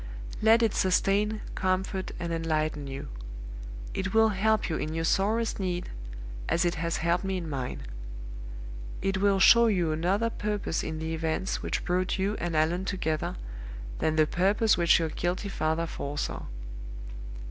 Let it sustain, comfort, and enlighten you. It will help you in your sorest need, as it has helped me in mine. It will show you another purpose in the events which brought you and Allan together than the purpose which your guilty father foresaw.